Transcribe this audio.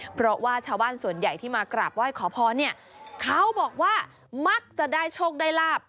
เพราะว่าชาวบ้านส่วนใหญ่ที่มากราบไหว้ขอพรเนี่ยเขาบอกว่ามักจะได้โชคได้ลาบ